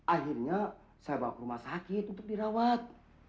akhirnya saya bawa ke rumah sakit untuk dirawat